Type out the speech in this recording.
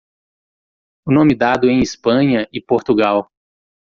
o nome dado em Espanha e Portugal